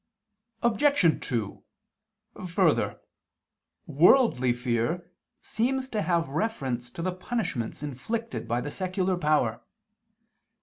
Obj. 2: Further, worldly fear seems to have reference to the punishments inflicted by the secular power.